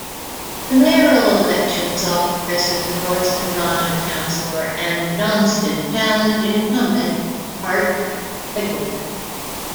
The mayoral election saw progressive North Toronto councillor Anne Johnston challenge incumbent Art Eggleton.